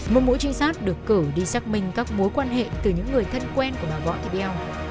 một mũi trinh sát được cử đi xác minh các mối quan hệ từ những người thân quen của bà võ thị béo